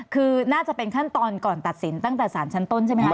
คือน่าจะเป็นขั้นตอนก่อนตัดสินตั้งแต่สารชั้นต้นใช่ไหมครับ